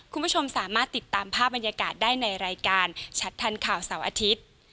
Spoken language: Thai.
คุณผู้ชมสามารถติดตามภาพบรรยากาศได้ในรายการชัดทันข่าวเสาร์อาทิตย์